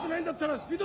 スピード！